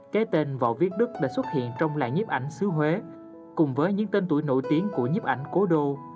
cái tên võ viết đức đã xuất hiện trong lại nhiếp ảnh sứ huế cùng với những tên tuổi nổi tiếng của nhiếp ảnh cố đô